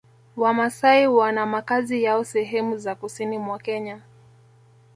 Wamasai wana makazi yao sehemu za Kusini mwa Kenya